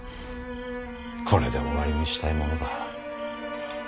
これで終わりにしたいものだ。